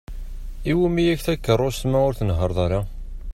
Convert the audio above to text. Iwumi-ak takeṛṛust ma ur tnehher-ḍ ara?